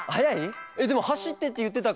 でもはしってっていってたから。